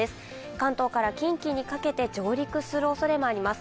関東から近畿にかけて上陸するおそれもあります。